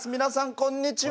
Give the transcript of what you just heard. こんにちは。